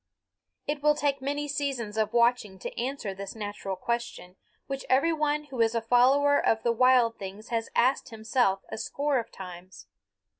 It will take many seasons of watching to answer this natural question, which every one who is a follower of the wild things has asked himself a score of times.